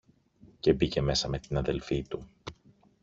και μπήκε μέσα με την αδελφή του.